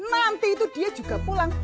nanti itu dia juga pulang